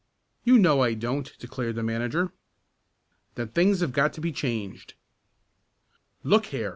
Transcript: "You know I don't!" declared the manager. "Then things have got to be changed!" "Look here!"